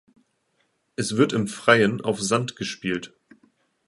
Es wird im Freien auf Sand gespielt.